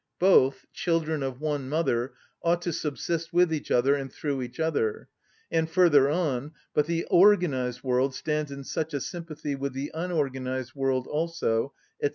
Both, children of one mother, ought to subsist with each other and through each other." And further on: "But the organised world stands in such a sympathy with the unorganised world also," &c.